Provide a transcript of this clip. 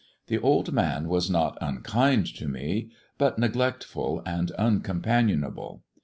The old man was not unkind to me, but neglectful and uncompanionable.